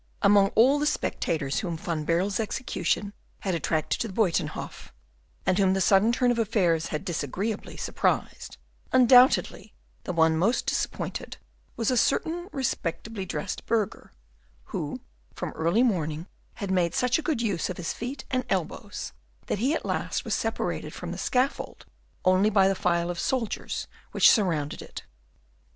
Among all the spectators whom Van Baerle's execution had attracted to the Buytenhof, and whom the sudden turn of affairs had disagreeably surprised, undoubtedly the one most disappointed was a certain respectably dressed burgher, who from early morning had made such a good use of his feet and elbows that he at last was separated from the scaffold only by the file of soldiers which surrounded it.